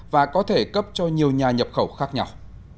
và có thể cấp cho nhiều nhà nhập khẩu khác nhau